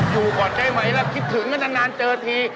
อยู่ก่อนได้ไหมล่ะคิดถึงมานานเจอที